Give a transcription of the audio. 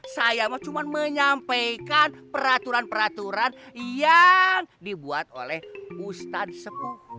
saya cuma menyampaikan peraturan peraturan yang dibuat oleh ustadz sepuh